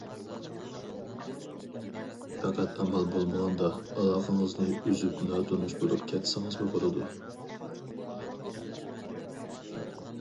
پەقەت ئامال بولمىغاندا ئالاقىڭىزنى ئۈزۈپ ناتونۇش بولۇپ كەتسىڭىزمۇ بولىدۇ.